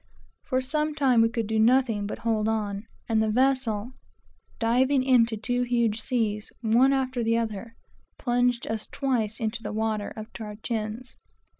For some time we could do nothing but hold on, and the vessel diving into two huge seas, one after the other, plunged us twice into the water up to our chins.